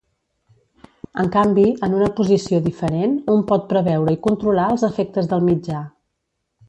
En canvi, en una posició diferent, un pot preveure i controlar els efectes del mitjà.